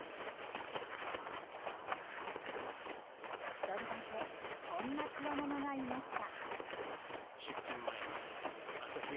１人だけこんなつわものがいました。